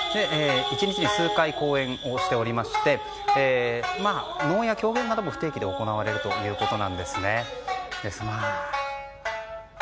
１日に数回公演をしておりまして能や狂言なども不定期で行われるということですね。